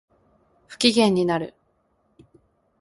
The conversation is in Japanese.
不機嫌になる